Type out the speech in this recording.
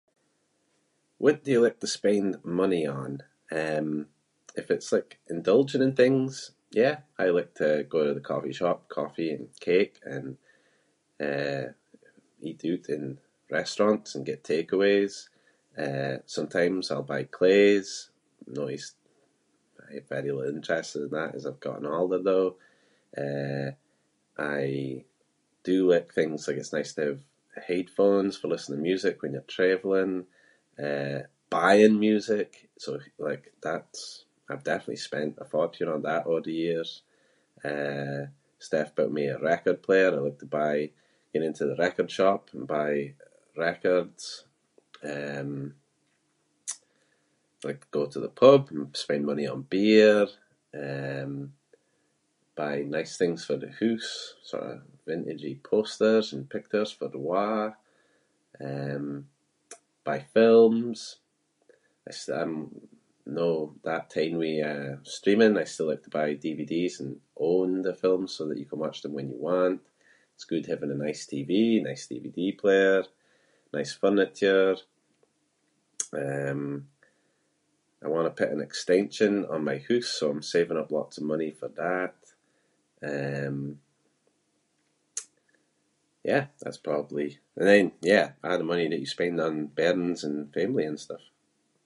What do you like to spend money on? Um, if it’s like indulging in things- yeah, I like to go over to the coffee shop, coffee and cake and, eh, eat oot in restaurants and get takeaways. Eh, sometimes I’ll buy claes- no is- have very little interest in that as I’ve gotten older, though. Eh, I do like things- like it’s nice to have headphones for listening to music when you’re travelling, Eh, buying music- so like that’s- I’m definitely spent a fortune on that over the years. Eh, Steph bought me a record player. I like to buy- ging into the record shop and buy records. Um, I like to go to the pub and spend money on beer. Um, buy nice things for the hoose- sort of vintagey posters and pictures for the wa’. Eh, buy films. I s- I’m no that taen with streaming- I still like to buy DVDs and own the films so that you can watch them when you want. It’s good having a nice TV, nice DVD player, nice furniture. Um, I want to put an extension on my hoose so I’m saving up lots of money for that. Um, yeah, that’s probably- and then, yeah, a’ the money that you spend on bairns and family and stuff.